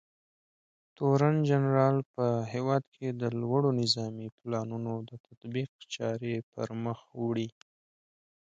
تورنجنرال په هېواد کې د لوړو نظامي پلانونو د تطبیق چارې پرمخ وړي.